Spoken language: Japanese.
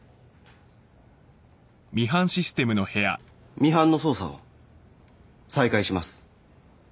ミハンの捜査を再開します。